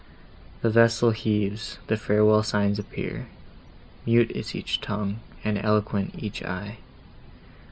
The vessel heaves, the farewell signs appear; Mute is each tongue, and eloquent each eye!